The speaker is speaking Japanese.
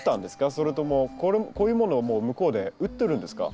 それともこういうものをもう向こうで売ってるんですか？